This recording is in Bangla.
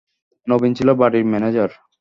নবীন ছিল বাড়ির ম্যানেজার।